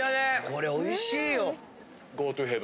これおいしいよ。